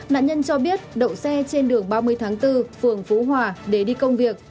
nạn nhân cho biết đậu xe trên đường ba mươi tháng bốn phường phú hòa để đi công việc